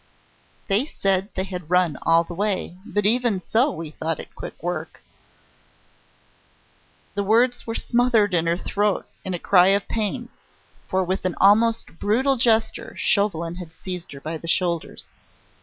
They said they had run all the way. But even so, we thought it was quick work " The words were smothered in her throat in a cry of pain, for, with an almost brutal gesture, Chauvelin had seized her by the shoulders.